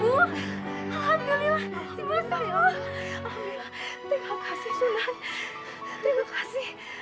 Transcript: ya allah ini sembuh